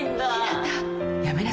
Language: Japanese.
陽向やめなさい